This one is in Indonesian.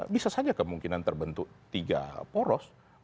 bisa saja kemungkinan terbentuk tiga poros